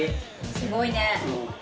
すごいね。